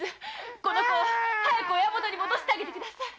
この子を親元に戻してあげて下さい。